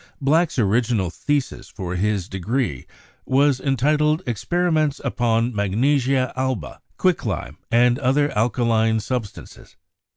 Black's original thesis for his degree was entitled 'Experiments upon Magnesia Alba, Quicklime, and other Alcaline Substances.'